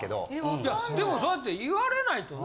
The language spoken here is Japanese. いやでもそうやって言われないとね。